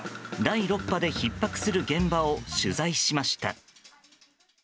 第６波でひっ迫する現場を取材しました。